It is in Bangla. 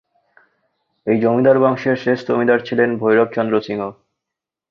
এই জমিদার বংশের শেষ জমিদার ছিলেন ভৈরব চন্দ্র সিংহ।